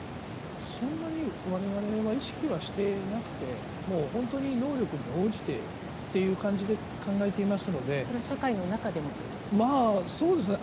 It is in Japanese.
そんなに我々は意識はしてなくて能力に応じてという感じでそれは社会の中でもということですか？